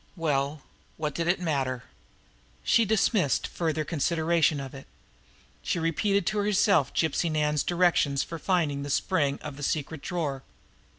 Well, what did it matter? She dismissed further consideration of it. She repeated to herself Gypsy Nan's directions for finding the spring of the secret drawer.